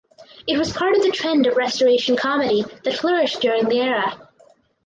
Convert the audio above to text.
It was part of the trend of Restoration Comedy that flourished during the era.